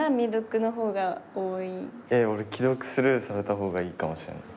俺既読スルーされた方がいいかもしれない。